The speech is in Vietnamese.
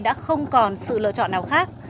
đã không còn sự lựa chọn nào khác